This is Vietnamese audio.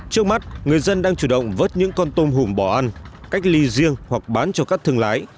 trước mắt người dân đang chủ động vớt những con tôm hùm bỏ ăn cách ly riêng hoặc bán cho các thương lái